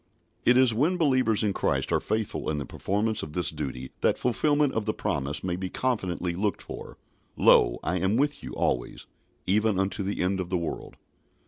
" It is when believers in Christ are faithful in the performance of this duty that fulfilment of the promise may be confidently looked for, "Lo, I am with you alway, even unto the end of the world."